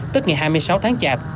tức ngày hai mươi sáu tháng chạp